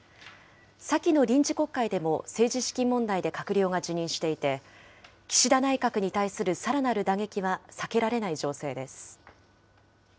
先の臨時国会でも政治資金問題で閣僚が辞任していて、岸田内閣に対するさらなる打撃は避けられない情勢です。